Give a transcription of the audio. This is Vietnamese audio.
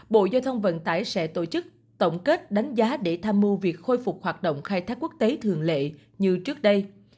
bộ giao thông vận tải sẽ tổ chức tổng kết đánh giá để tham mưu việc khôi phục hoạt động khai thác quốc tế thường lệ như trước đây